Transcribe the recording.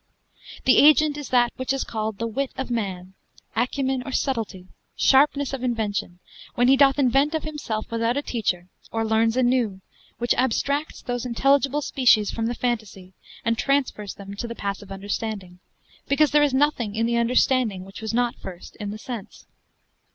The agent is that which is called the wit of man, acumen or subtlety, sharpness of invention, when he doth invent of himself without a teacher, or learns anew, which abstracts those intelligible species from the phantasy, and transfers them to the passive understanding, because there is nothing in the understanding, which was not first in the sense.